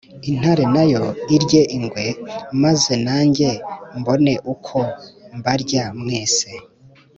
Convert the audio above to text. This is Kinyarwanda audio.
intare nayo irye ingwe, maze na njye mbone uko mbarya mwese."